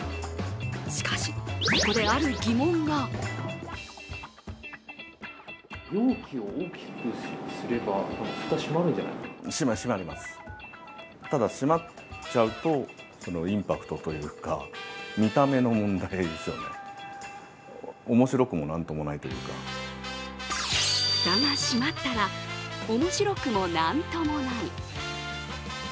しかし、ここで、ある疑問がフタが閉まったら面白くもなんともない。